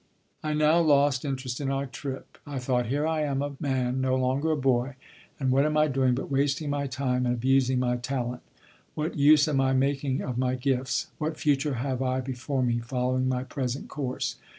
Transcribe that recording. I now lost interest in our trip. I thought: "Here I am a man, no longer a boy, and what am I doing but wasting my time and abusing my talent? What use am I making of my gifts? What future have I before me following my present course?"